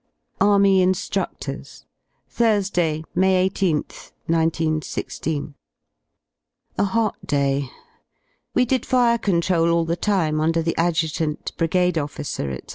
=^ ARMY INSTRUCTORS Thursday, May i8th, 191 6. A hot day. We did fire control all the time under the Adjutant, Brigade Officer, b'c.